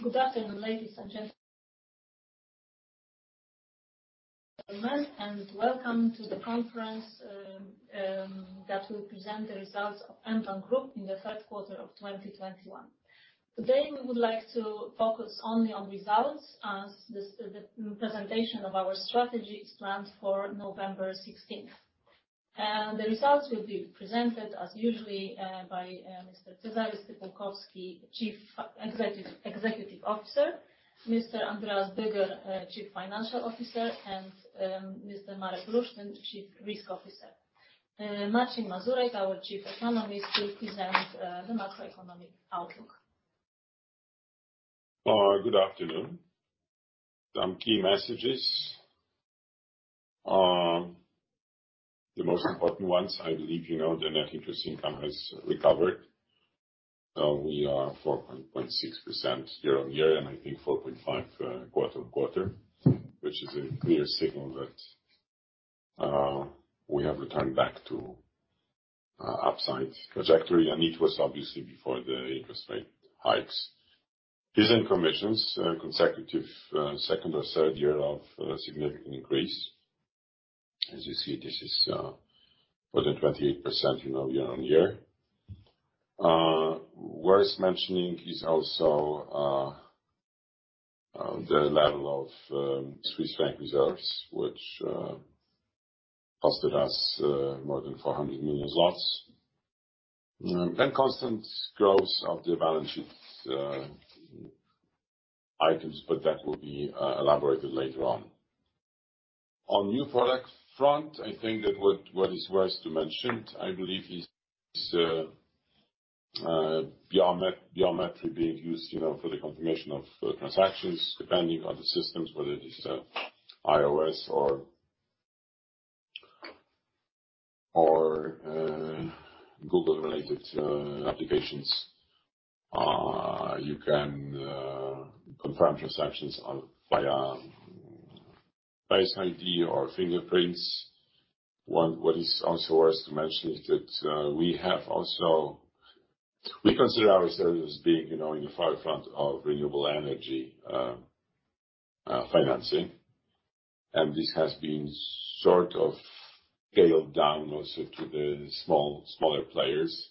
Good afternoon, ladies and gents and welcome to the conference that will present the results of mBank Group in the Third Quarter of 2021. Today we would like to focus only on results as this, the presentation of our strategy is planned for November 16th. The results will be presented as usual by Mr. Cezary Stypułkowski, Chief Executive Officer, Mr. Andreas Böger, Chief Financial Officer, and Mr. Marek Lusztyn, Chief Risk Officer. Marcin Mazurek, our Chief Economist, will present the macroeconomic outlook. Good afternoon. Some key messages. The most important ones, I believe you know the net interest income has recovered. We are 4.6% year-on-year, and I think 4.5% quarter-on-quarter, which is a clear signal that we have returned back to upside trajectory, and it was obviously before the interest rate hikes. Fees and commissions consecutive second or third year of significant increase. As you see this is more than 28%, you know, year-on-year. Worth mentioning is also the level of Swiss franc reserves, which costed us more than 400 million zlotys. Then constant growth of the balance sheet items, but that will be elaborated later on. On new product front, I think that what is worth to mention, I believe is Biometry being used, you know, for the confirmation of transactions, depending on the systems, whether it is iOS or Google related applications. You can confirm transactions via Face ID or fingerprints. What is also worth to mention is that we consider ourselves as being, you know, in the forefront of renewable energy financing. This has been sort of scaled down also to the smaller players.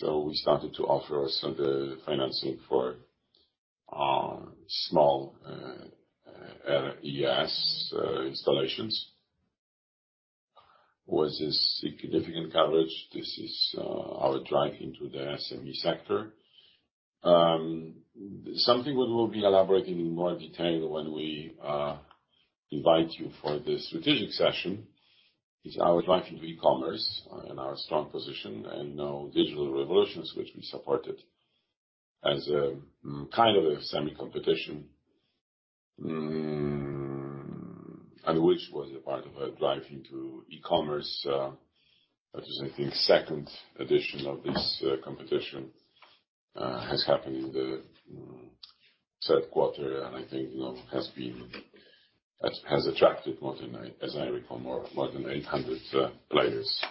We started to offer also the financing for small RES installations, which is a significant coverage. This is our drive into the SME sector. Something we will be elaborating in more detail when we invite you for the strategic session is our drive into e-commerce and our strong position. Now Digital Revolutions which we supported as a kind of a semi competition, and which was a part of our drive into e-commerce. That is I think second edition of this competition has happened in the third quarter, and I think, you know, has attracted more than 800 players.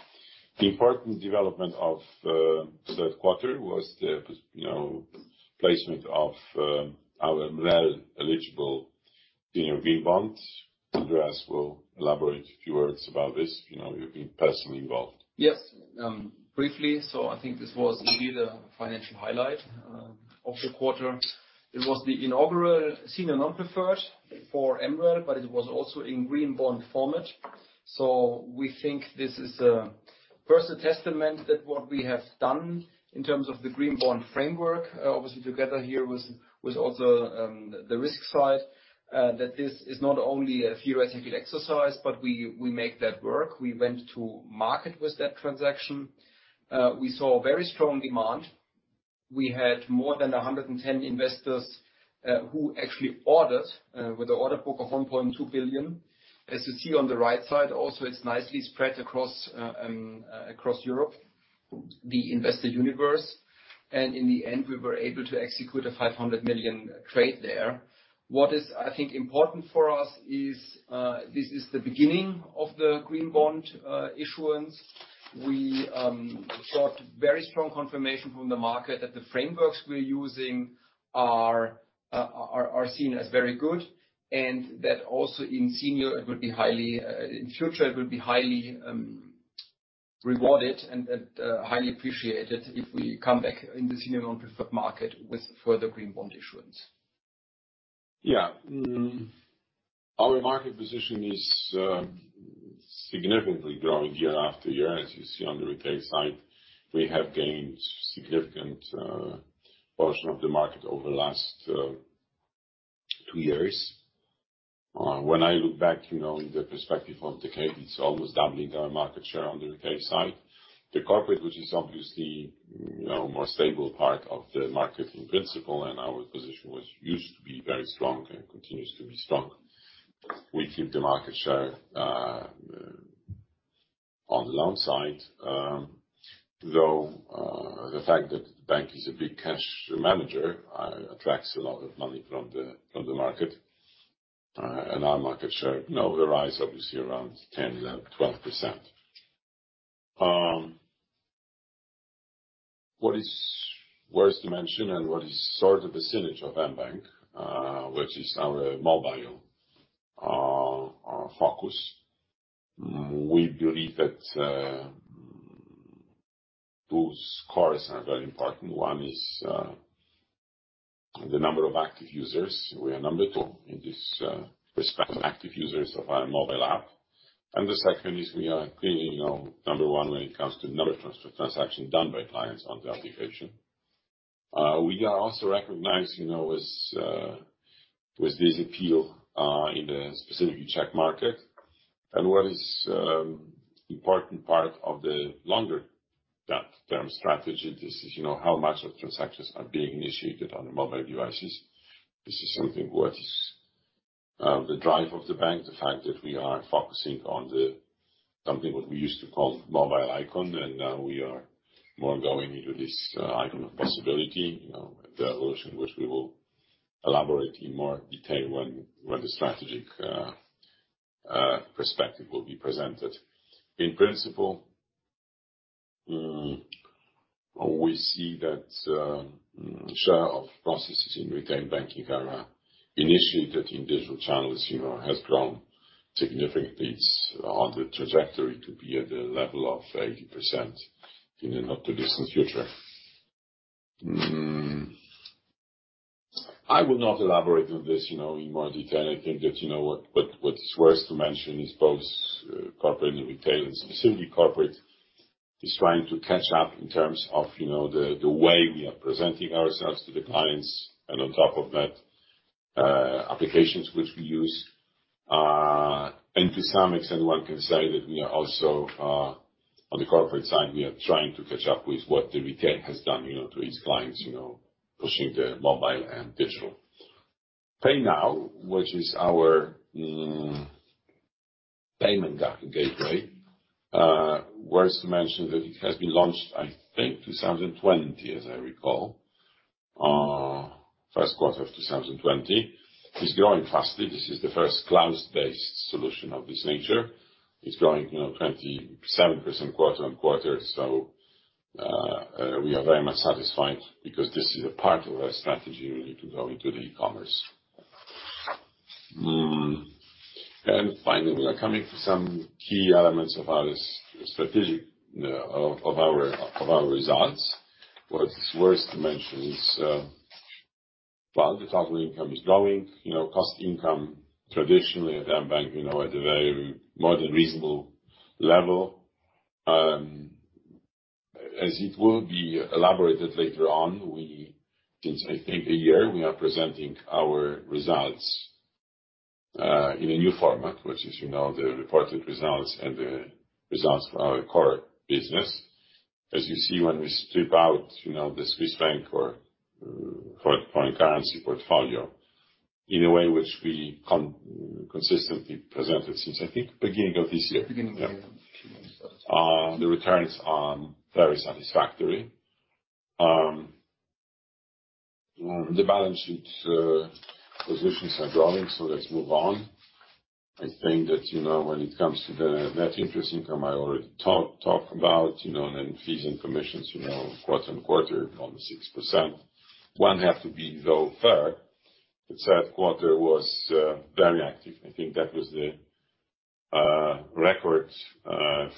The important development of the third quarter was the placement of our MREL-eligible senior green bond. Andreas will elaborate a few words about this. You know, you've been personally involved. Yes. Briefly. I think this was indeed a financial highlight of the quarter. It was the inaugural senior non-preferred for MREL, but it was also in green bond format. We think this is first a testament that what we have done in terms of the green bond framework, obviously together here with also the risk side, that this is not only a theoretical exercise, but we make that work. We went to market with that transaction. We saw very strong demand. We had more than 110 investors who actually ordered with an order book of 1.2 billion. As you see on the right side also, it's nicely spread across Europe, the investor universe. In the end, we were able to execute a 500 million trade there. What I think is important for us is this is the beginning of the green bond issuance. We got very strong confirmation from the market that the frameworks we're using are seen as very good, and that also in senior in future it would be highly rewarded and highly appreciated if we come back in the senior non-preferred market with further green bond issuance. Our market position is significantly growing year after year. As you see on the retail side, we have gained significant portion of the market over the last two years. When I look back, you know, in the perspective of decade, it's almost doubling our market share on the retail side. The corporate, which is obviously, you know, more stable part of the market in principle, and our position used to be very strong and continues to be strong. We keep the market share. On the loan side, though, the fact that the bank is a big cash manager attracts a lot of money from the market. Our market share now will rise, obviously around 10%, 12%. What is worth mentioning and what is sort of a signature of mBank, our mobile focus. We believe that those cores are very important. One is the number of active users. We are number two in this respect of active users of our mobile app. The second is we are clearly, you know, number one when it comes to number of transfer transactions done by clients on the application. We are also recognized, you know, as well in the specific Czech market. What is important part of the longer-term strategy is, you know, how much of transactions are being initiated on the mobile devices. This is something what is the drive of the bank, the fact that we are focusing on the something what we used to call icon of mobility, and now we are more going into this icon of possibility. You know, the evolution which we will elaborate in more detail when the strategic perspective will be presented. In principle, we see that share of processes in retail banking are initiated in digital channels, you know, has grown significantly. It's on the trajectory to be at the level of 80% in the not too distant future. I would not elaborate on this, you know, in more detail. I think that, you know, what is worth to mention is both corporate and retail, and specifically corporate, is trying to catch up in terms of, you know, the way we are presenting ourselves to the clients, and on top of that, applications which we use. To some extent, one can say that we are also, on the corporate side, we are trying to catch up with what the retail has done, you know, to its clients, you know, pushing the mobile and digital. Paynow, which is our payment gateway, worth to mention that it has been launched, I think, 2020, as I recall. First quarter of 2020. It's growing fast. This is the first cloud-based solution of this nature. It's growing, you know, 27% quarter-on-quarter. We are very much satisfied because this is a part of our strategy really to go into the e-commerce. Finally, we are coming to some key elements of our results. What's worth to mention is the total income is growing. You know, cost income traditionally at mBank, you know, at a very more than reasonable level. As it will be elaborated later on, we since I think a year, we are presenting our results in a new format, which is, you know, the reported results and the results for our core business. As you see when we strip out, you know, the Swiss franc or foreign currency portfolio in a way which we consistently presented since I think beginning of this year. Beginning of the year. Yeah. The returns are very satisfactory. The balance sheet positions are growing, so let's move on. I think that, you know, when it comes to the net interest income, I already talked about, you know, and then fees and commissions, you know, quarter-on-quarter, almost 6%. One have to be though fair, the third quarter was very active. I think that was the record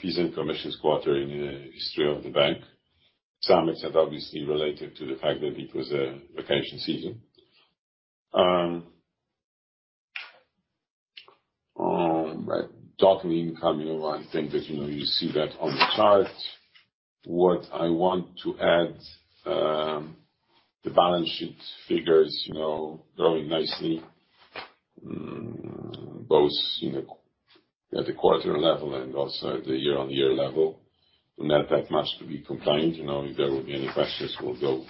fees and commissions quarter in the history of the bank. To some extent, obviously related to the fact that it was a vacation season. Total income, you know, I think that, you know, you see that on the chart. What I want to add, the balance sheet figures, you know, growing nicely, both at the quarter level and also the year-on-year level. Not that much to complain about. You know, if there will be any questions, we'll go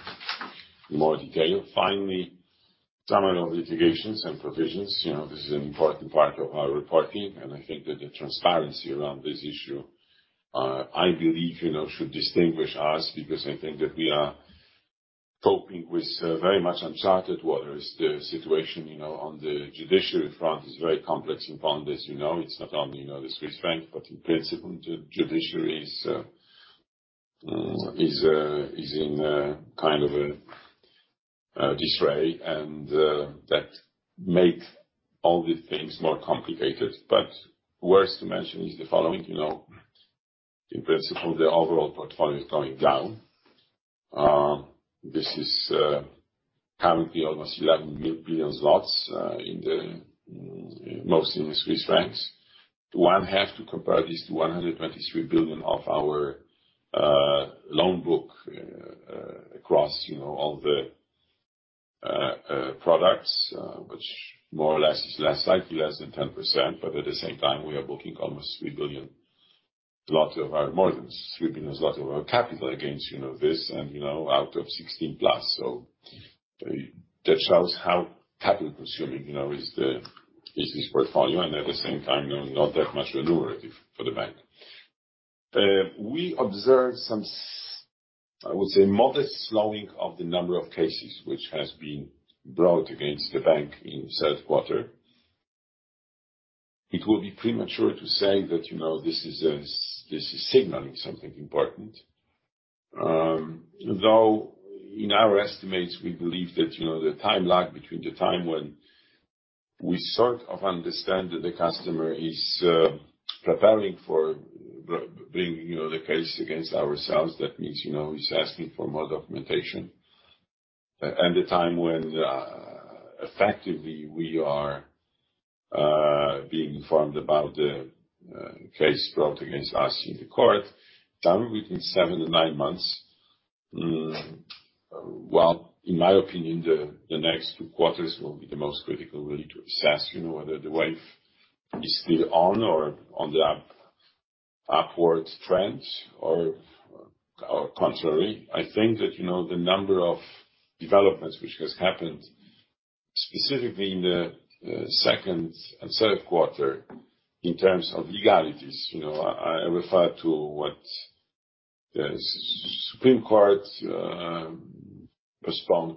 in more detail. Finally, summary of litigations and provisions. You know, this is an important part of our reporting, and I think that the transparency around this issue, I believe, you know, should distinguish us because I think that we are coping with very much uncharted waters. The situation, you know, on the judiciary front is very complex in Poland, as you know. It's not only, you know, the Swiss franc, but in principle, the judiciary is in kind of a disarray. That make all these things more complicated. Worth to mention is the following: You know, in principle, the overall portfolio is going down. This is currently almost 11 billion zlotys, mostly in the Swiss francs. One has to compare this to 123 billion of our loan book across, you know, all the products, which more or less is slightly less than 10%. At the same time, we are booking more than 3 billion of our capital against, you know, this and, you know, out of 16%+. That shows how capital consuming, you know, is this portfolio and at the same time, you know, not that much remunerative for the bank. We observed some, I would say modest slowing of the number of cases which has been brought against the bank in third quarter. It will be premature to say that, you know, this is signaling something important. Though in our estimates, we believe that, you know, the time lag between the time when we sort of understand that the customer is preparing for bringing, you know, the case against ourselves, that means, you know, he's asking for more documentation. And the time when effectively we are being informed about the case brought against us in the court, somewhere between seven-nine months. While in my opinion, the next two quarters will be the most critical really to assess, you know, whether the wave is still on or on the upward trend or contrary. I think that, you know, the number of developments which has happened specifically in the second and third quarter in terms of legalities. You know, I refer to what the Supreme Court postponed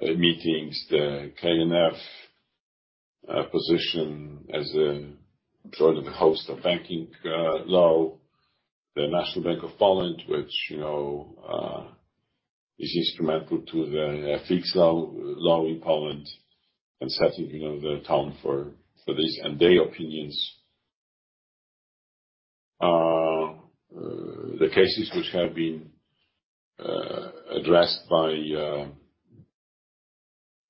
meetings, the KNF position as a joining the host of banking law. The National Bank of Poland, which you know is instrumental to the FX law in Poland and setting, you know, the tone for this and their opinions. The cases which have been addressed by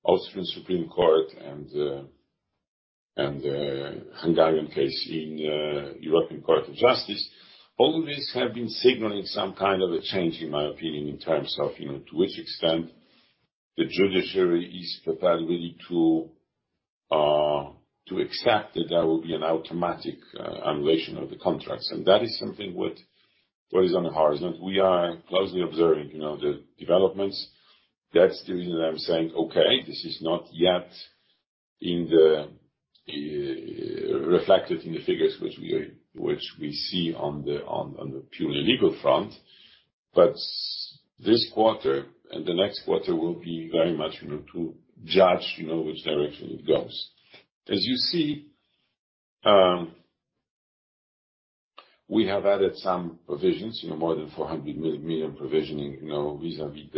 Austrian Supreme Court and Hungarian case in European Court of Justice. All of these have been signaling some kind of a change, in my opinion, in terms of, you know, to which extent the judiciary is prepared really to accept that there will be an automatic annihilation of the contracts. That is something what is on the horizon. We are closely observing, you know, the developments. That's the reason I'm saying, okay, this is not yet reflected in the figures which we see on the purely legal front. This quarter and the next quarter will be very much, you know, to judge, you know, which direction it goes. As you see, we have added some provisions, you know, more than 400 million provisioning, you know, vis-à-vis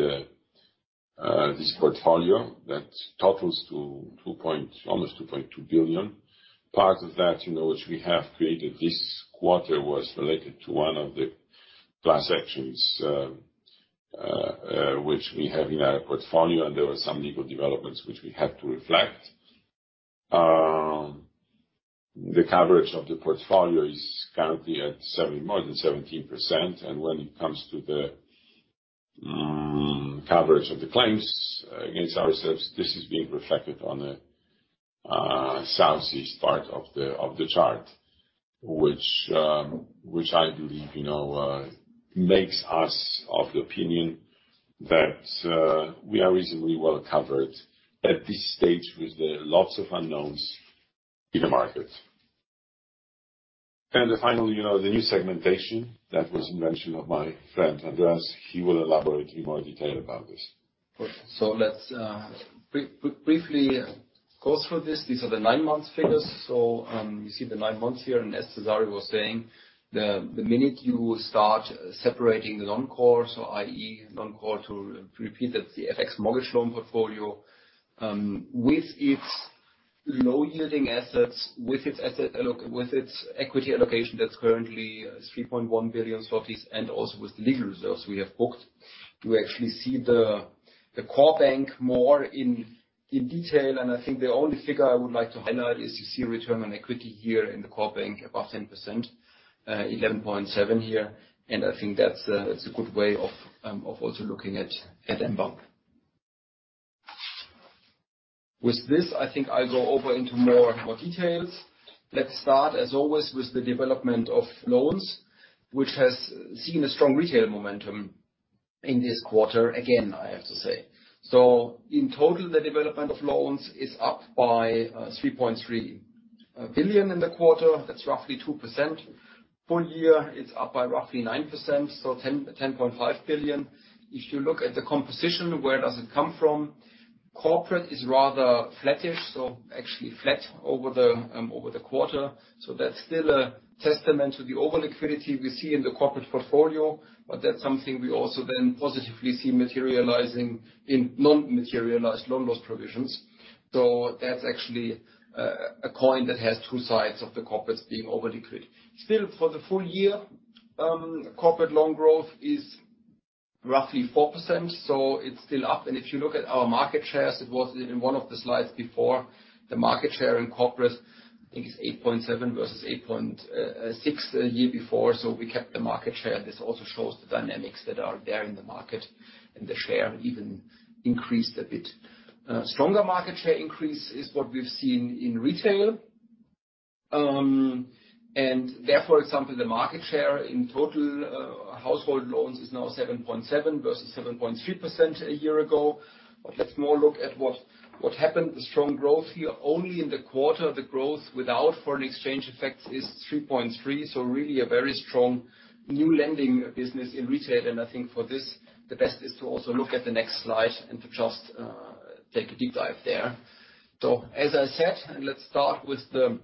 this portfolio that totals to almost 2.2 billion. Part of that, you know, which we have created this quarter was related to one of the class actions which we have in our portfolio, and there were some legal developments which we had to reflect. The coverage of the portfolio is currently at more than 17%. When it comes to the coverage of the claims against ourselves, this is being reflected on the southeast part of the chart. Which I believe leads us to the opinion that we are reasonably well covered at this stage with a lot of unknowns in the market. Finally, you know, the new segmentation, that was the invention of my friend Andreas. He will elaborate in more detail about this. Let's briefly go through this. These are the nine-month figures. You see the nine months here. As Cezary was saying, the minute you start separating non-core, i.e. non-core, to repeat that the FX mortgage loan portfolio with its low yielding assets, with its equity allocation that's currently 3.1 billion zlotys, and also with the legal reserves we have booked. You actually see the core bank more in detail. I think the only figure I would like to highlight is you see return on equity here in the core bank, above 10%, 11.7% here. I think that's a good way of also looking at mBank. With this, I think I'll go over into more details. Let's start, as always, with the development of loans, which has seen a strong retail momentum in this quarter, again, I have to say. In total, the development of loans is up by 3.3 billion in the quarter. That's roughly 2%. Full year it's up by roughly 9%, so 10.5 billion. If you look at the composition, where does it come from? Corporate is rather flattish, actually flat over the quarter. That's still a testament to the over-liquidity we see in the corporate portfolio. That's something we also then positively see materializing in non-materialized loan loss provisions. That's actually a coin that has two sides of the corporates being over-liquid. Still, for the full year, corporate loan growth is roughly 4%, so it's still up. If you look at our market shares, it was in one of the slides before, the market share in corporates, I think it's 8.7% versus 8.6% the year before, so we kept the market share. This also shows the dynamics that are there in the market, and the share even increased a bit. Stronger market share increase is what we've seen in retail. There, for example, the market share in total household loans is now 7.7% versus 7.3% a year ago. Let's look more at what happened. The strong growth here, only in the quarter, the growth without foreign exchange effects is 3.3%. Really a very strong new lending business in retail. I think for this, the best is to also look at the next slide and to just take a deep dive there. As I said, let's start with the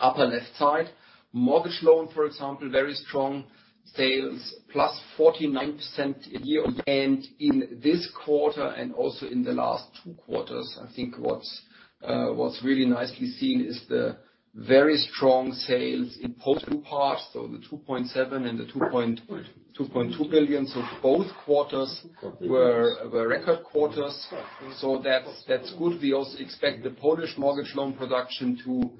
upper left side. Mortgage loan, for example, very strong sales, +49% year-on-year. In this quarter and also in the last two quarters, I think what's really nicely seen is the very strong sales in Poland. The 2.7 billion and the 2.2 billion. Both quarters were record quarters. That's good. We also expect the Polish mortgage loan production to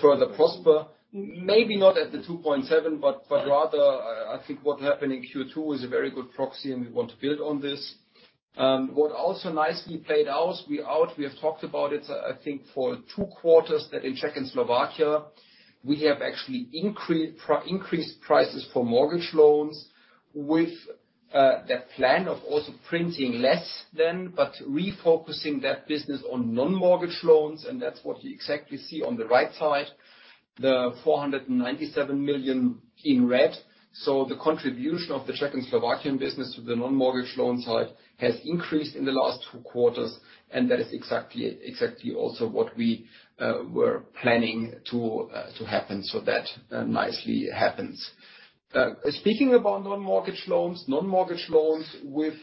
further prosper. Maybe not at the 2.7 billion, but rather, I think what happened in Q2 is a very good proxy, and we want to build on this. What also nicely played out, we have talked about it, I think for two quarters, that in Czech and Slovakia we have actually increased prices for mortgage loans with the plan of also printing less then, but refocusing that business on non-mortgage loans, and that's what you exactly see on the right side, the 497 million in red. The contribution of the Czech and Slovakian business to the non-mortgage loan side has increased in the last two quarters, and that is exactly also what we were planning to happen. That nicely happens. Speaking about non-mortgage loans. Non-mortgage loans with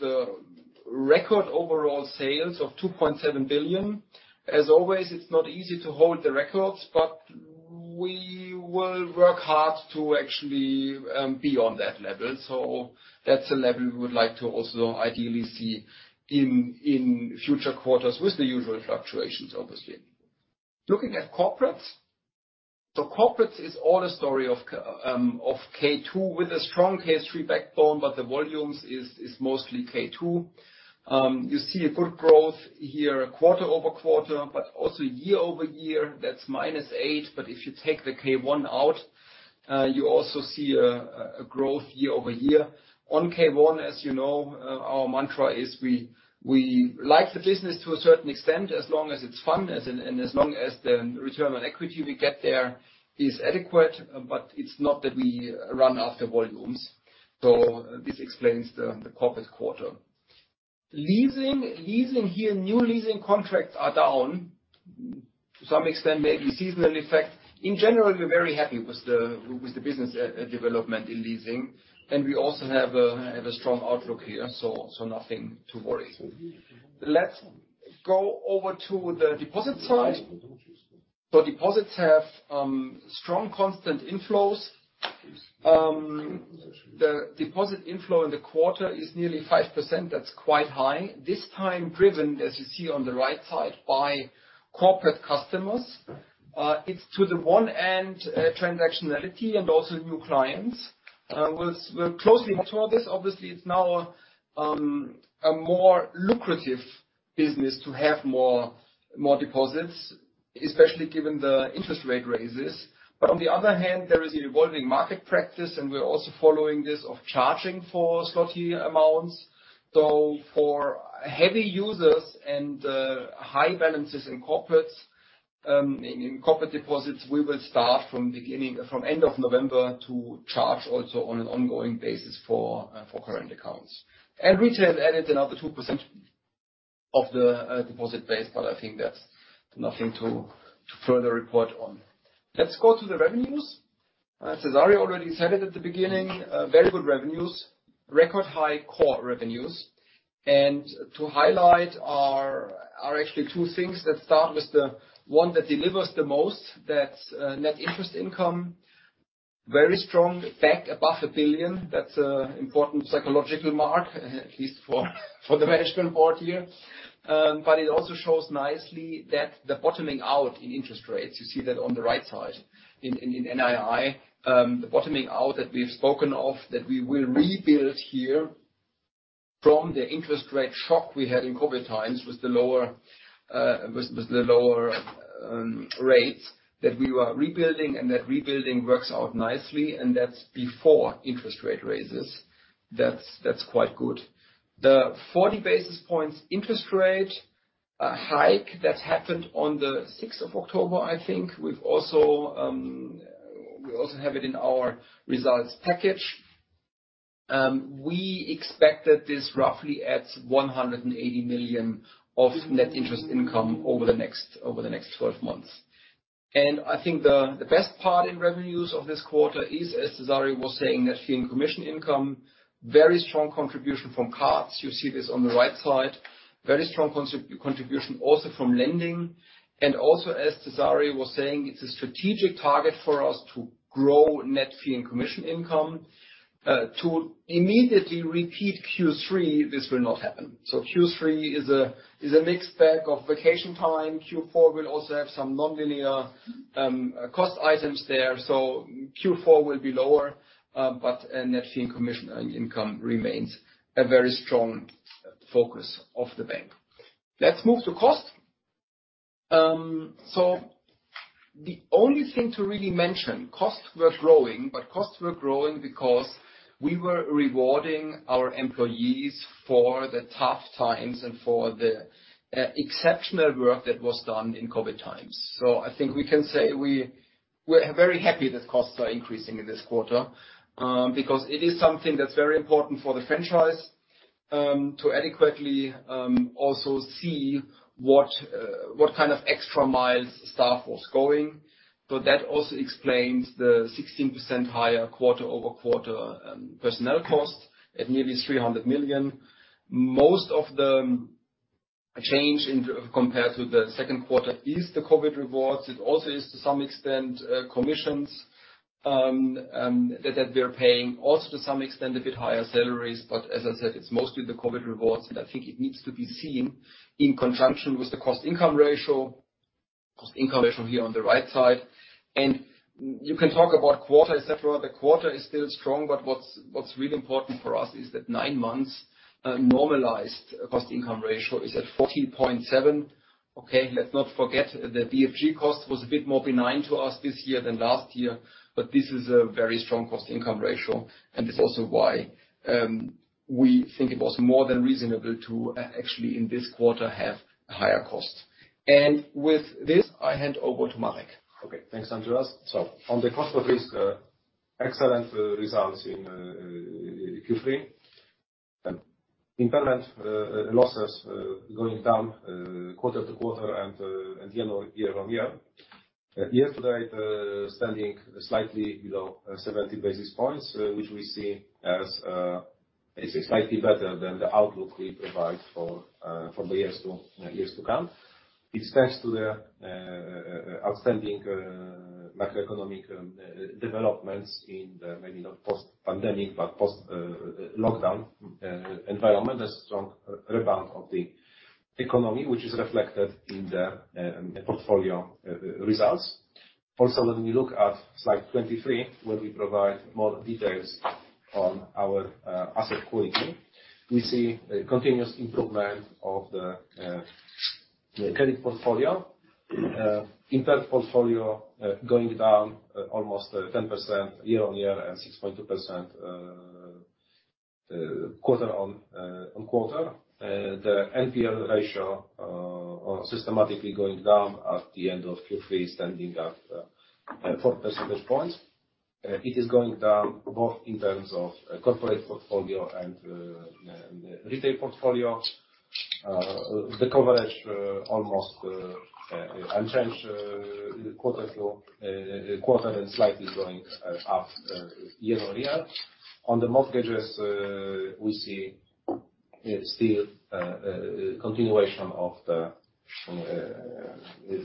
record overall sales of 2.7 billion. As always, it's not easy to hold the records, but we will work hard to actually be on that level. That's a level we would like to also ideally see in future quarters with the usual fluctuations, obviously. Looking at corporates. Corporates is all a story of K2 with a strong K3 backbone, but the volumes is mostly K2. You see a good growth here quarter-over-quarter, but also year-over-year, that's -8%. But if you take the K1 out, you also see a growth year-over-year. On K1, as you know, our mantra is we like the business to a certain extent, as long as it's fun and as long as the return on equity we get there is adequate. But it's not that we run after volumes. This explains the corporate quarter. Leasing here, new leasing contracts are down. To some extent, maybe seasonal effect. In general, we're very happy with the business development in leasing, and we also have a strong outlook here. Nothing to worry. Let's go over to the deposit side. Deposits have strong constant inflows. The deposit inflow in the quarter is nearly 5%, that's quite high. This time, driven, as you see on the right side, by corporate customers. It's on the one hand transactionality and also new clients. We're close to all this. Obviously, it's now a more lucrative business to have more deposits, especially given the interest rate rises. But on the other hand, there is an evolving market practice, and we're also following this of charging for zloty amounts. For heavy users and high balances in corporates, in corporate deposits, we will start from end of November to charge also on an ongoing basis for current accounts. Retail added another 2% of the deposit base, but I think that's nothing to further report on. Let's go to the revenues. Cezary already said it at the beginning, very good revenues. Record high core revenues. To highlight are actually two things that start with the one that delivers the most. That's net interest income, very strong, back above 1 billion. That's a important psychological mark, at least for the Management Board here. It also shows nicely that the bottoming out in interest rates, you see that on the right side. In NII, the bottoming out that we've spoken of, that we will rebuild here from the interest rate shock we had in COVID times with the lower rates that we were rebuilding, and that rebuilding works out nicely, and that's before interest rate raises. That's quite good. The 40 basis points interest rate hike that happened on the sixth of October, I think, we also have it in our results package. We expect that this roughly adds 180 million of net interest income over the next 12 months. I think the best part in revenues of this quarter is, as Cezary was saying, that fee and commission income, very strong contribution from cards. You see this on the right side. Very strong contribution also from lending. Also as Cezary was saying, it's a strategic target for us to grow net fee and commission income. To immediately repeat Q3, this will not happen. Q3 is a mixed bag of vacation time. Q4 will also have some nonlinear cost items there. Q4 will be lower, but net fee and commission income remains a very strong focus of the bank. Let's move to cost. The only thing to really mention, costs were growing because we were rewarding our employees for the tough times and for exceptional work that was done in COVID times. I think we can say we're very happy that costs are increasing in this quarter, because it is something that's very important for the franchise, to adequately also see what kind of extra mile staff was going. That also explains the 16% higher quarter-over-quarter personnel costs at nearly 300 million. Most of the change compared to the second quarter is the COVID rewards. It also is, to some extent, commissions that we're paying. Also to some extent a bit higher salaries, but as I said, it's mostly the COVID rewards, and I think it needs to be seen in conjunction with the cost-to-income ratio. Cost-to-income ratio here on the right side. You can talk about quarter, et cetera. The quarter is still strong, but what's really important for us is that nine months normalized cost-to-income ratio is at 14.7%. Okay, let's not forget the BFG cost was a bit more benign to us this year than last year, but this is a very strong cost-to-income ratio. It's also why we think it was more than reasonable to actually in this quarter have higher costs. With this, I hand over to Marek. Okay, thanks, Andreas. On the cost of risk, excellent results in Q3. Impairment losses going down quarter-to-quarter and year-over-year. Year to date, standing slightly below 70 basis points, which we see as it's slightly better than the outlook we provide for the years to come. It's thanks to the outstanding macroeconomic developments in the maybe not post-pandemic, but post lockdown environment. The strong rebound of the economy, which is reflected in the portfolio results. Also, when we look at slide 23, where we provide more details on our asset quality, we see a continuous improvement of the credit portfolio. Impaired portfolio going down almost 10% year-on-year and 6.2% quarter-on-quarter. The NPL ratio systematically going down at the end of Q3, standing at four percentage points. It is going down both in terms of corporate portfolio and retail portfolio. The coverage almost unchanged quarter-to-quarter and slightly going up year-on-year. On the mortgages, we see still continuation of the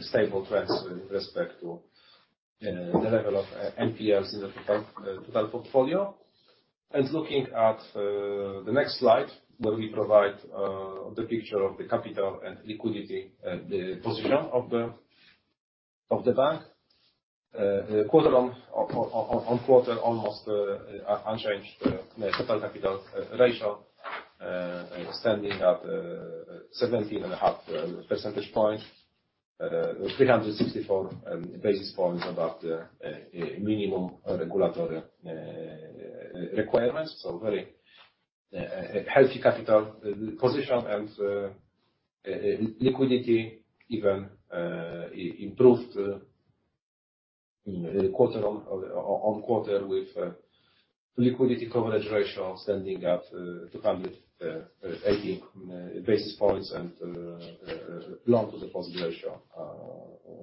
stable trends with respect to the level of NPLs in the total portfolio. Looking at the next slide, where we provide the picture of the capital and liquidity, the position of the bank. Quarter-on-quarter, almost unchanged, total capital ratio standing at 17.5 percentage points. 364 basis points above the minimum regulatory requirements. Very healthy capital position. Liquidity even improved quarter-over-quarter with liquidity coverage ratio standing at 218% and loan to deposit ratio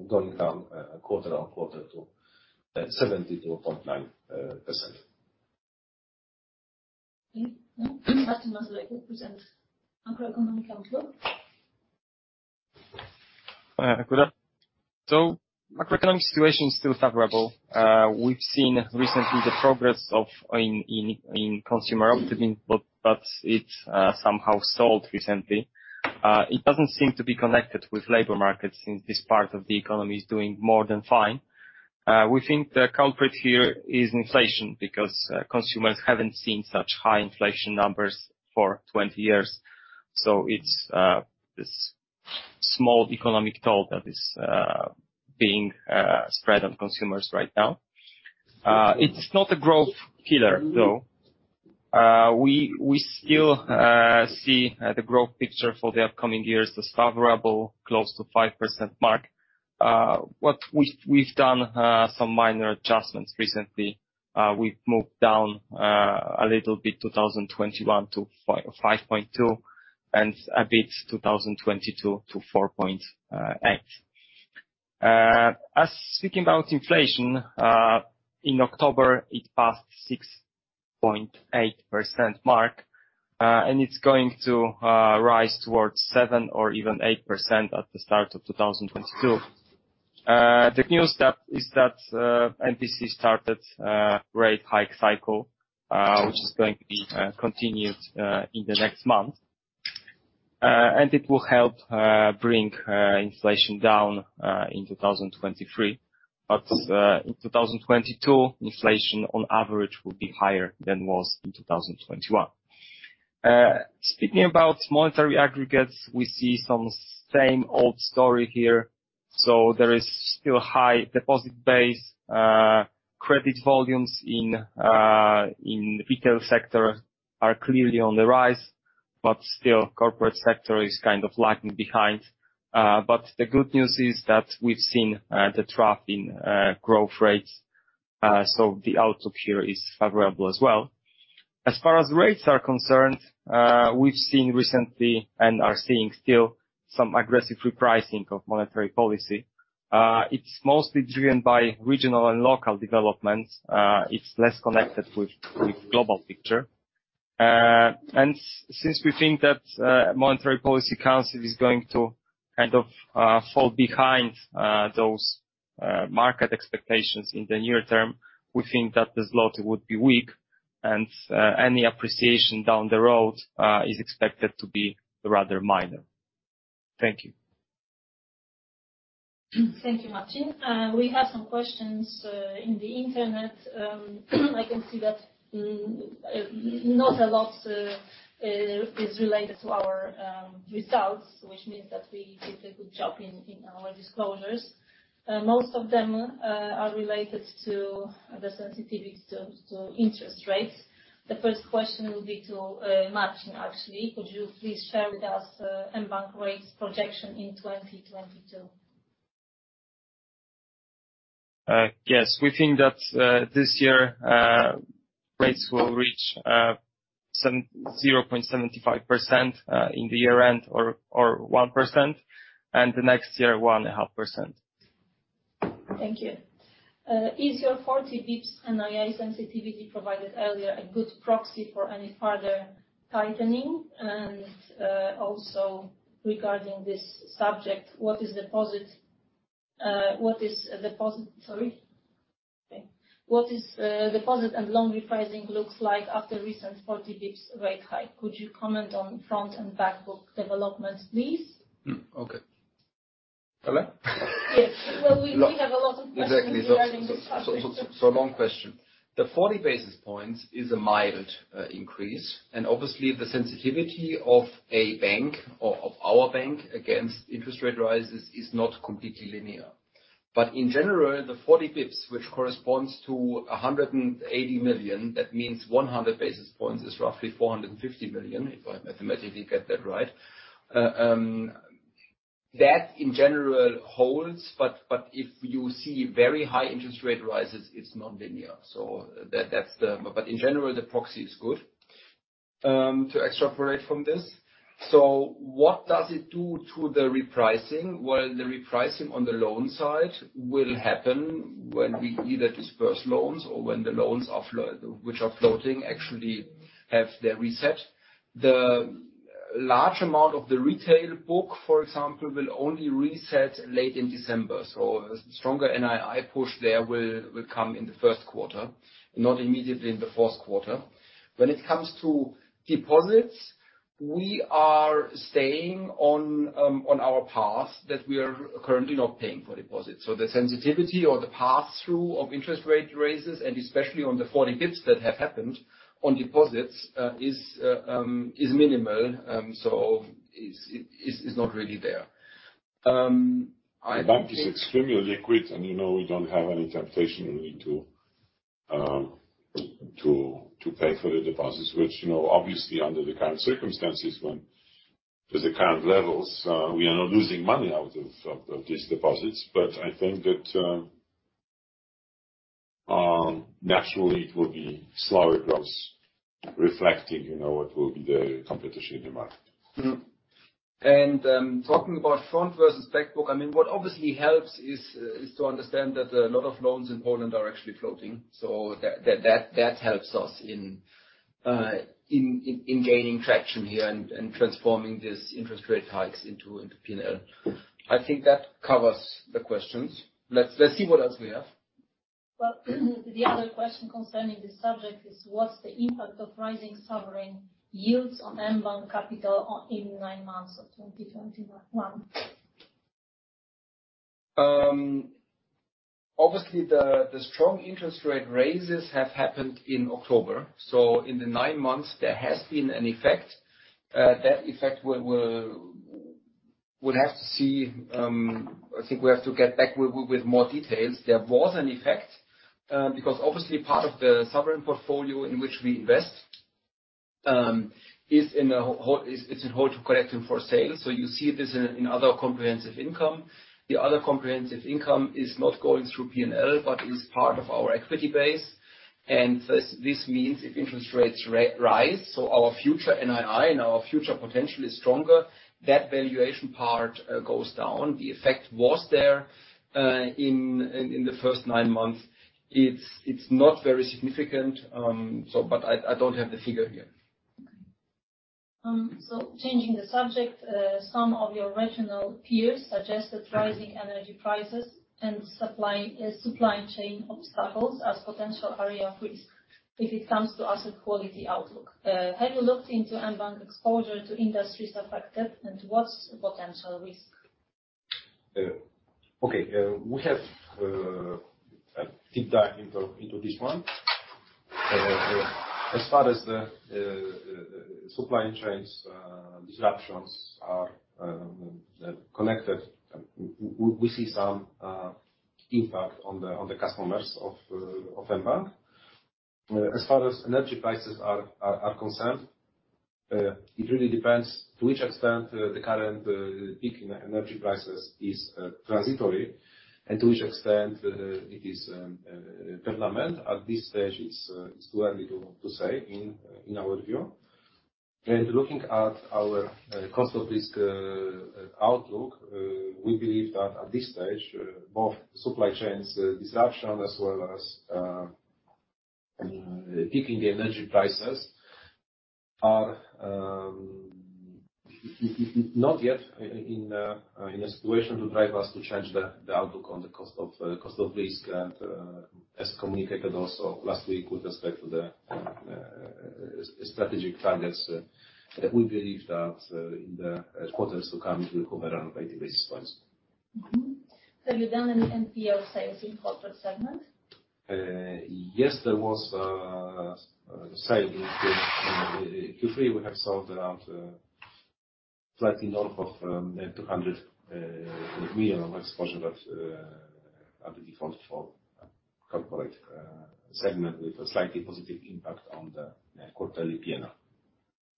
going down quarter-over-quarter to 72.9%. Okay. Now, Marcin Mazurek will present macroeconomic outlook. Good day. Macroeconomic situation is still favorable. We've seen recently the progress in consumer optimism, but it's somehow stalled recently. It doesn't seem to be connected with labor markets since this part of the economy is doing more than fine. We think the culprit here is inflation, because consumers haven't seen such high inflation numbers for 20 years. It's this small economic toll that is being spread on consumers right now. It's not a growth killer, though. We still see the growth picture for the upcoming years as favorable, close to 5% mark. What we've done some minor adjustments recently. We've moved down a little bit 2021 to 5.2% and a bit 2022 to 4.8%. Speaking about inflation, in October it passed 6.8% mark, and it's going to rise towards 7% or even 8% at the start of 2022. The good news is that MPC started a rate hike cycle, which is going to be continued in the next month. It will help bring inflation down in 2023. In 2022, inflation on average will be higher than was in 2021. Speaking about monetary aggregates, we see the same old story here. So there is still high deposit base. Credit volumes in retail sector are clearly on the rise, but still corporate sector is kind of lagging behind. The good news is that we've seen the trough in growth rates, so the outlook here is favorable as well. As far as rates are concerned, we've seen recently and are seeing still some aggressive repricing of monetary policy. It's mostly driven by regional and local developments. It's less connected with global picture. Since we think that Monetary Policy Council is going to kind of fall behind those market expectations in the near term, we think that the zloty would be weak and any appreciation down the road is expected to be rather minor. Thank you. Thank you, Marcin. We have some questions in the internet. I can see that not a lot is related to our results, which means that we did a good job in our disclosures. Most of them are related to the sensitivity to interest rates. The first question will be to Marcin, actually. Could you please share with us mBank rates projection in 2022? Yes. We think that this year rates will reach 0.75% in the year-end or 1%, and the next year, 1.5%. Thank you. Is your 40 bps NII sensitivity provided earlier a good proxy for any further tightening? Also regarding this subject, what is deposit and loan repricing looks like after recent 40 bps rate hike? Could you comment on front and back book developments, please? Okay. Hello? Yes. Well, we have a lot of questions regarding this topic. Exactly. A long question. The 40 basis points is a mild increase, and obviously the sensitivity of a bank or of our bank against interest rate rises is not completely linear. In general, the 40 bps, which corresponds to 180 million, that means 100 basis points is roughly 450 million, if I mathematically get that right. That in general holds, but if you see very high interest rate rises, it's non-linear. That is the. In general, the proxy is good to extrapolate from this. What does it do to the repricing? Well, the repricing on the loan side will happen when we either disburse loans or when the loans are floating actually have their reset. The large amount of the retail book, for example, will only reset late in December. A stronger NII push there will come in the first quarter, not immediately in the fourth quarter. When it comes to deposits, we are staying on our path that we are currently not paying for deposits. The sensitivity or the passthrough of interest rate raises, and especially on the 40 bps that have happened on deposits, is minimal, so is not really there. The bank is extremely liquid, and you know we don't have any temptation really to pay for the deposits, which, you know, obviously under the current circumstances when the current levels, we are not losing money out of these deposits. I think that naturally it will be slower growth reflecting, you know, what will be the competition in the market. Mm-hmm. Talking about front versus back book, I mean what obviously helps is to understand that a lot of loans in Poland are actually floating. So that helps us in gaining traction here and transforming these interest rate hikes into P&L. I think that covers the questions. Let's see what else we have. Well, the other question concerning this subject is: What's the impact of rising sovereign yields on mBank capital in nine months of 2021? Obviously the strong interest rate raises have happened in October, so in the nine months there has been an effect. That effect we'll have to see. I think we have to get back with more details. There was an effect, because obviously part of the sovereign portfolio in which we invest is in hold to collect and sell, so you see this in other comprehensive income. Other comprehensive income is not going through P&L, but is part of our equity base. This means if interest rates rise, our future NII and our future potential is stronger, that valuation part goes down. The effect was there in the first nine months. It's not very significant, but I don't have the figure here. Changing the subject, some of your regional peers suggested rising energy prices and supply chain obstacles as potential area of risk if it comes to asset quality outlook. Have you looked into mBank exposure to industries affected, and what's the potential risk? Okay. We have deep dive into this one. As far as the supply chain disruptions are connected, we see some impact on the customers of mBank. As far as energy prices are concerned, it really depends to which extent the current peak in energy prices is transitory, and to which extent it is permanent. At this stage, it's too early to say in our view. Looking at our cost of risk outlook, we believe that at this stage, both supply chain disruption as well as peak in the energy prices are not yet in a situation to drive us to change the outlook on the cost of risk. As communicated also last week with respect to the strategic targets, that we believe that in the quarters to come it will cover around 80 basis points. Have you done any NPL sales in corporate segment? Yes, there was a sale in Q3. We have sold around slightly north of 200 million of exposure that are default for corporate segment with a slightly positive impact on the quarterly P&L.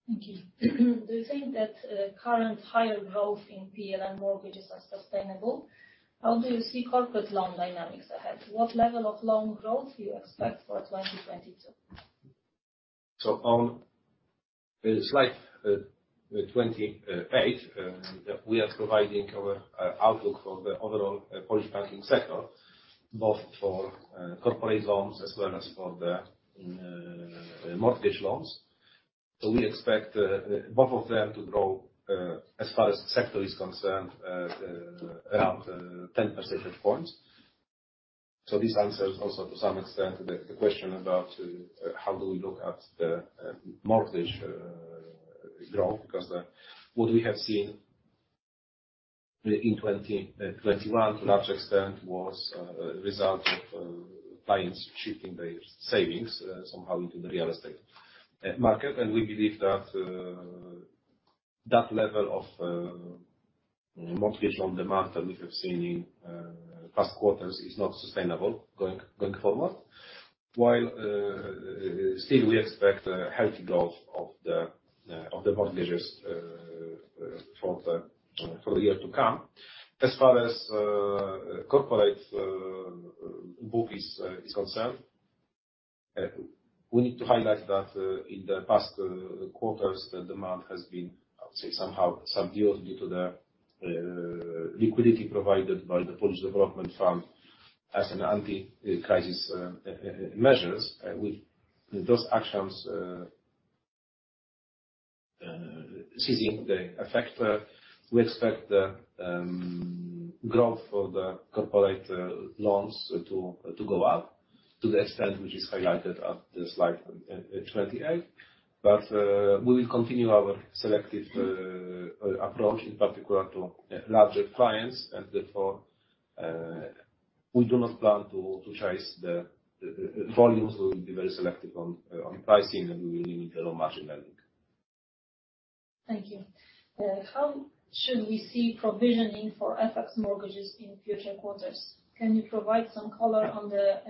Thank you. Do you think that current higher growth in PLN mortgages are sustainable? How do you see corporate loan dynamics ahead? What level of loan growth do you expect for 2022? On slide 28 we are providing our outlook for the overall Polish banking sector, both for corporate loans as well as for the mortgage loans. We expect both of them to grow as far as the sector is concerned around 10 percentage points. This answers also, to some extent, the question about how do we look at the mortgage growth. Because what we have seen in 2021, to a large extent was a result of clients shifting their savings somehow into the real estate market. We believe that that level of mortgage on demand that we have seen in past quarters is not sustainable going forward. While still we expect a healthy growth of the mortgages for the year to come. As far as corporate book is concerned, we need to highlight that in the past quarters, the demand has been, I would say, somehow subdued due to the liquidity provided by the Polish Development Fund as an anti-crisis measures. With those actions ceasing the effect, we expect growth for the corporate loans to go up to the extent which is highlighted at the slide 28. We will continue our selective approach, in particular to larger clients. Therefore, we do not plan to chase the volumes. We'll be very selective on pricing, and we will maintain our margin lending. Thank you. How should we see provisioning for FX mortgages in future quarters? Can you provide some color on the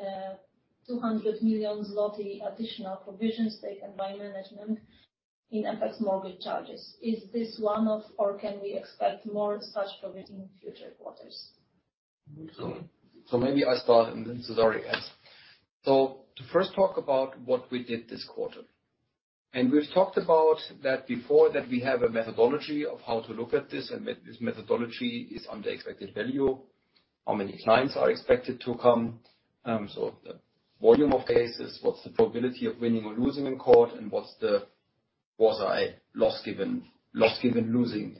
200 million zloty additional provisions taken by management in FX mortgage charges? Is this one-off, or can we expect more such provision in future quarters? Maybe I start and then Cezary adds. To first talk about what we did this quarter, and we've talked about that before, that we have a methodology of how to look at this, and this methodology is under expected value. How many clients are expected to come? The volume of cases, what's the probability of winning or losing in court, and what's the loss given losing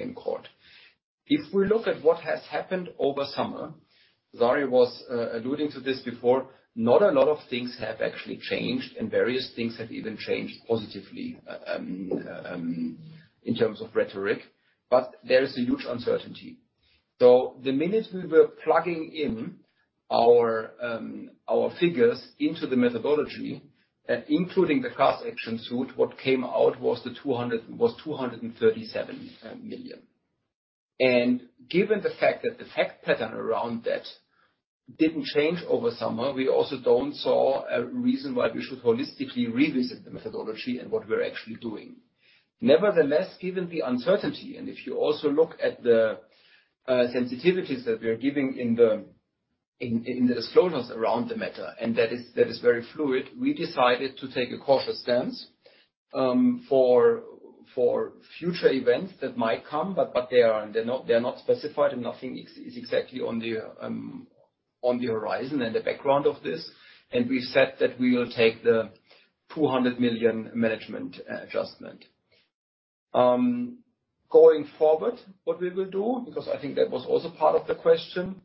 in court? If we look at what has happened over summer, Cezary was alluding to this before, not a lot of things have actually changed, and various things have even changed positively in terms of rhetoric, but there is a huge uncertainty. The minute we were plugging in our figures into the methodology, including the class action suit, what came out was 237 million. Given the fact that the fact pattern around that didn't change over summer, we also didn't see a reason why we should holistically revisit the methodology and what we're actually doing. Nevertheless, given the uncertainty, and if you also look at the sensitivities that we are giving in the disclosures around the matter, and that is very fluid, we decided to take a cautious stance for future events that might come, but they are, they're not specified and nothing exists exactly on the horizon and the background of this. We said that we will take the 200 million management adjustment. Going forward, what we will do, because I think that was also part of the question,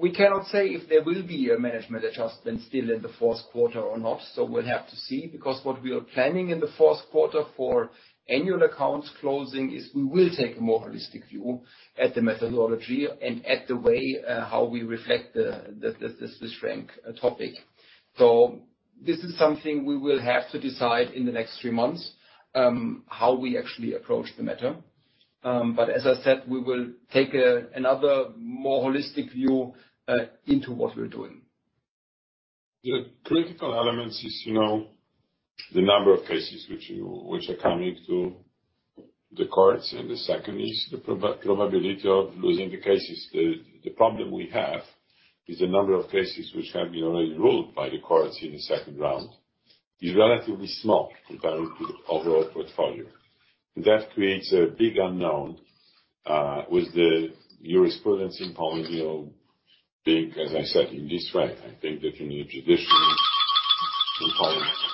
we cannot say if there will be a management adjustment still in the fourth quarter or not. We'll have to see, because what we are planning in the fourth quarter for annual accounts closing is we will take a more holistic view at the methodology and at the way how we reflect the CHF topic. This is something we will have to decide in the next three months, how we actually approach the matter. As I said, we will take another more holistic view into what we're doing. The critical elements is, you know, the number of cases which, you know, which are coming to the courts, and the second is the probability of losing the cases. The problem we have is the number of cases which have been already ruled by the courts in the second round is relatively small compared to the overall portfolio. That creates a big unknown with the jurisprudence in Poland, you know, being, as I said, in disarray. I think that in the judiciary in Poland. Sorry for the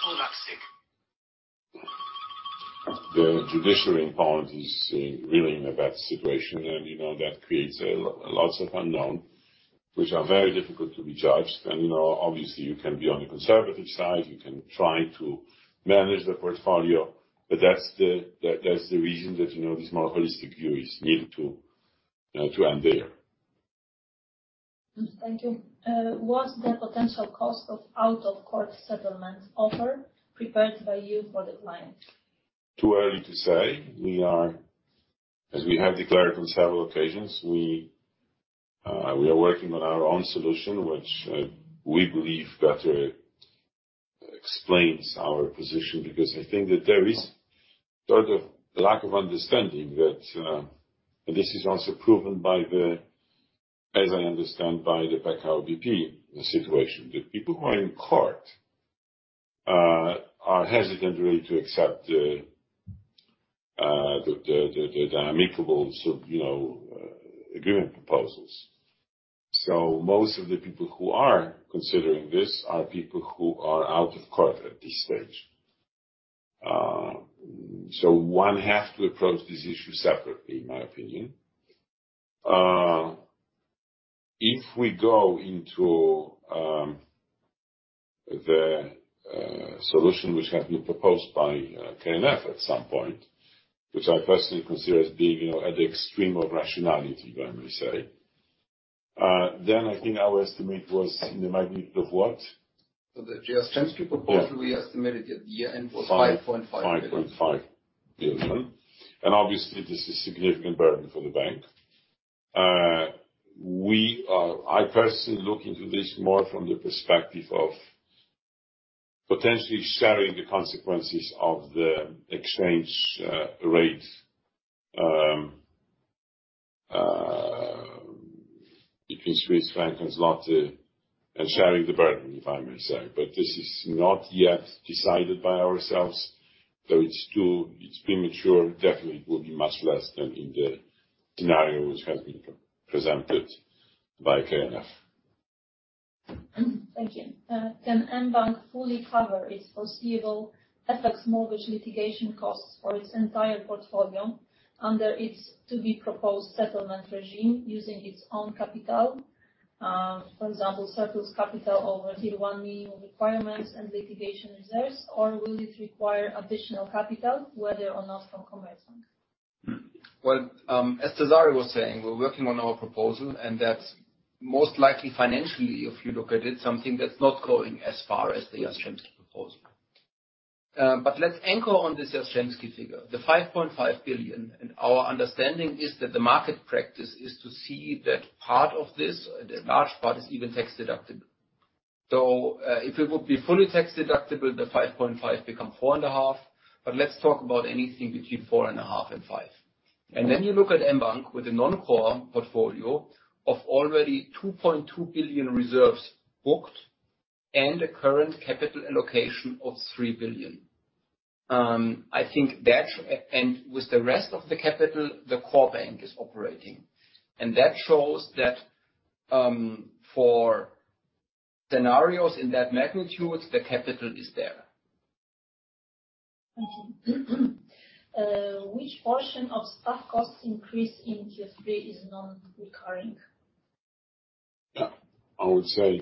phone that's ringing. The judiciary in Poland is really in a bad situation. You know, that creates lots of unknown, which are very difficult to be judged. Obviously, you can be on the conservative side, you can try to manage the portfolio, but that's the reason that, you know, this more holistic view is needed to unveil. Thank you. What's the potential cost of out-of-court settlement offer prepared by you for the client? Too early to say. As we have declared on several occasions, we are working on our own solution, which we believe better explains our position. Because I think that there is sort of lack of understanding that. This is also proven by, as I understand, the PKO BP situation. The people who are in court are hesitant really to accept the amicable sort of agreement proposals. Most of the people who are considering this are people who are out of court at this stage. One have to approach this issue separately, in my opinion. If we go into the solution which have been proposed by KNF at some point, which I personally consider as being, you know, at the extreme of rationality, if I may say, then I think our estimate was in the magnitude of what? The Jastrzębski proposal estimated at the year-end was 5.5 billion. 5.5 billion. Obviously, this is significant burden for the bank. I personally look into this more from the perspective of potentially sharing the consequences of the exchange rate between Swiss franc and zloty, and sharing the burden, if I may say. This is not yet decided by ourselves, so it's too premature. Definitely it will be much less than in the scenario which have been presented by KNF. Thank you. Can mBank fully cover its foreseeable FX mortgage litigation costs for its entire portfolio under its to-be-proposed settlement regime using its own capital, for example, surplus capital over Tier 1 minimum requirements and litigation reserves? Or will it require additional capital, whether or not from Commerzbank? Well, as Cezary was saying, we're working on our proposal, and that's most likely financially, if you look at it, something that's not going as far as the Jastrzębski proposal. Let's anchor on this Jastrzębski figure. The 5.5 billion, and our understanding is that the market practice is to see that part of this, a large part, is even tax-deductible. If it would be fully tax-deductible, the 5.5 become 4.5, but let's talk about anything between 4.5 and 5. Then you look at mBank with a non-core portfolio of already 2.2 billion reserves booked and a current capital allocation of 3 billion. With the rest of the capital, the core bank is operating. That shows that, for scenarios in that magnitude, the capital is there. Thank you. Which portion of staff cost increase in Q3 is non-recurring? Yeah. I would say,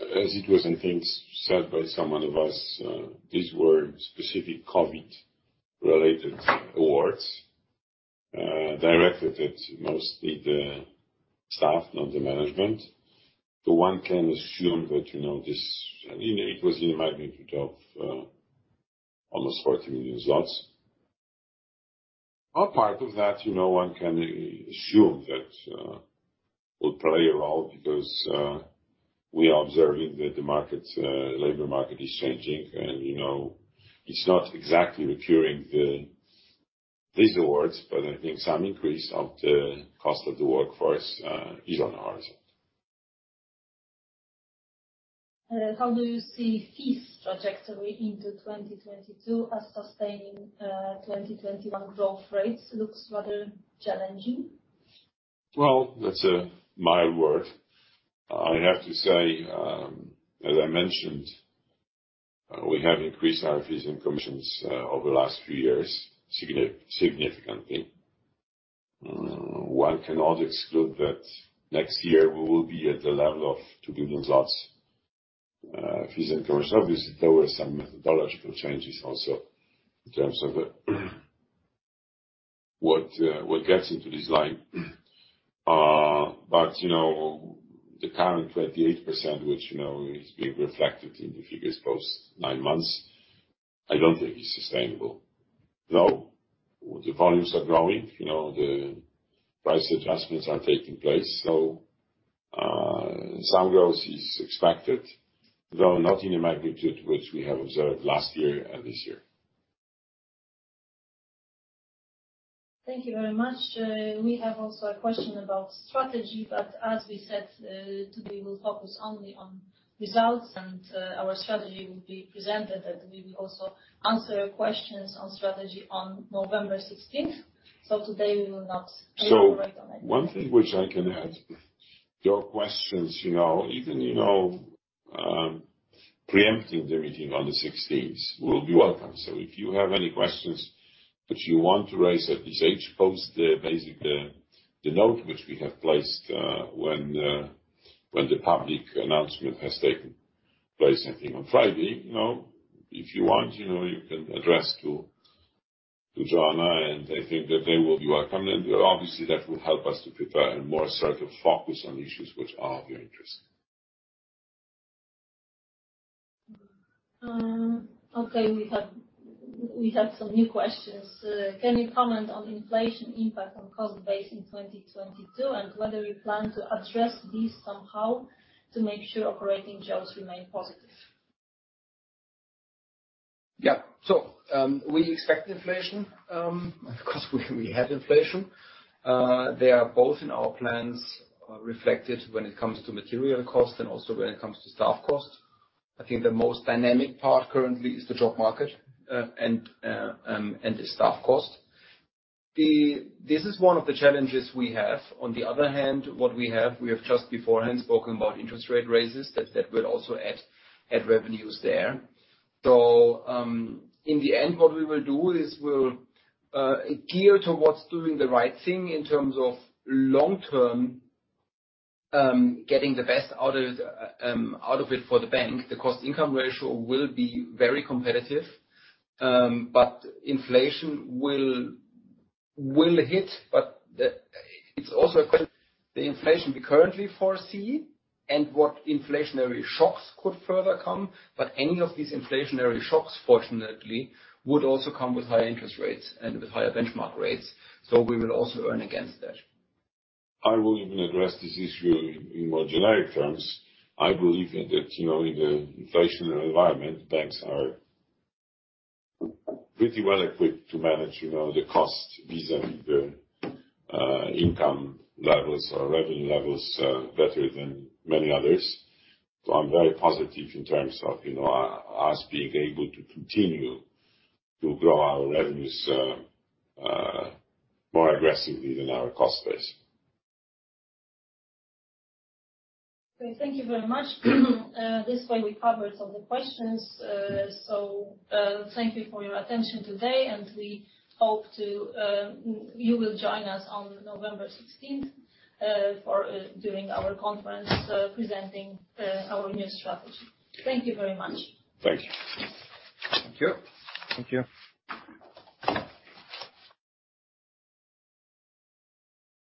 as it was, I think, said by someone of us, these were specific COVID-related awards directed at mostly the staff, not the management. One can assume that, you know, this, I mean, it was in the magnitude of almost 14 million zlotys. A part of that, you know, one can assume that will play a role because we are observing that the labor market is changing and, you know, it's not exactly recurring, these awards, but I think some increase of the cost of the workforce is on the horizon. How do you see fees trajectory into 2022 as sustaining 2021 growth rates? Looks rather challenging? That's my word. I have to say, as I mentioned, we have increased our fees and commissions over the last few years significantly. One cannot exclude that next year we will be at the level of PLN 2 billion fees and commissions. Obviously, there were some methodological changes also in terms of what gets into this line. You know, the current 28%, which you know is being reflected in the figures post 9 months, I don't think is sustainable. No, the volumes are growing, you know, the price adjustments are taking place, so some growth is expected, though not in the magnitude which we have observed last year and this year. Thank you very much. We have also a question about strategy, but as we said, today we'll focus only on results and, our strategy will be presented, and we will also answer your questions on strategy on November 16th. Today we will not elaborate on it. One thing which I can add, your questions, you know, even, you know, preempting the meeting on the sixteenth will be welcome. If you have any questions that you want to raise at this stage, post the basically the note which we have placed, when the public announcement has taken place, I think on Friday, you know, if you want, you know, you can address to Joanna, and I think that they will welcome it. Obviously, that will help us to prepare and more sort of focus on issues which are of your interest. Okay, we have some new questions. Can you comment on inflation impact on cost base in 2022, and whether you plan to address this somehow to make sure operating jobs remain positive? Yeah. We expect inflation. Of course, we have inflation. They are both in our plans, reflected when it comes to material costs and also when it comes to staff costs. I think the most dynamic part currently is the job market, and the staff cost. This is one of the challenges we have. On the other hand, what we have, we have just beforehand spoken about interest rate raises that will also add revenues there. In the end what we will do is we'll gear towards doing the right thing in terms of long-term, getting the best out of it for the bank. The cost-to-income ratio will be very competitive, but inflation will hit, but the -- It's also the inflation we currently foresee and what inflationary shocks could further come. Any of these inflationary shocks fortunately would also come with high interest rates and with higher benchmark rates, so we will also earn against that. I will even address this issue in more generic terms. I believe that, you know, in the inflationary environment, banks are pretty well equipped to manage, you know, the cost vis-à-vis the income levels or revenue levels more aggressively than our cost base. Okay. Thank you very much. This way we cover some of the questions. Thank you for your attention today, and we hope that you will join us on November 16th for our conference presenting our new strategy. Thank you very much. Thank you. Thank you. Thank you.